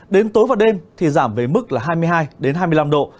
đến tối và đêm thì giảm về mức là hai mươi hai hai mươi năm độ